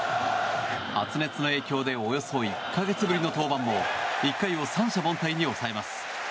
発熱の影響でおよそ１か月ぶりの登板も１回を三者凡退に抑えます。